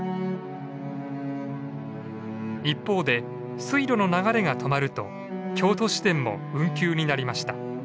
一方で水路の流れが止まると京都市電も運休になりました。